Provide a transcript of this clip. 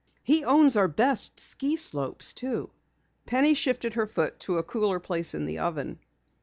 He owns our best ski slopes, too." Penny shifted her foot to a cooler place in the oven.